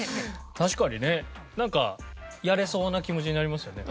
確かにね。なんかやれそうな気持ちになりますよね